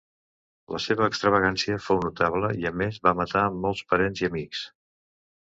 La seva extravagància fou notable i a més va matar molts parents i amics.